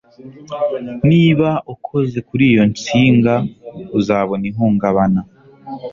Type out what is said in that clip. Niba ukoze kuri iyo nsinga, uzabona ihungabana.